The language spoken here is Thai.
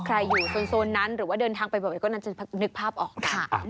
ใครอยู่โซนนั้นหรือว่าเดินทางไปบ่อยก็น่าจะนึกภาพออกค่ะ